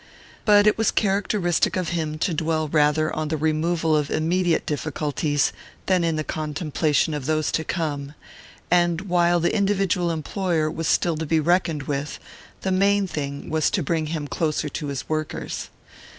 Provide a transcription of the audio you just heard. But it was characteristic of him to dwell rather on the removal of immediate difficulties than in the contemplation of those to come, and while the individual employer was still to be reckoned with, the main thing was to bring him closer to his workers.